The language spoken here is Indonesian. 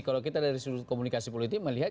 kalau kita dari sudut komunikasi politik melihat